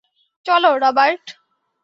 চলো, রবার্ট।